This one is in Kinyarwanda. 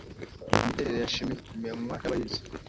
Imiterere ya shimi, imenywa nabayiz